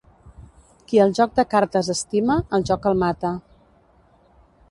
Qui el joc de cartes estima, el joc el mata.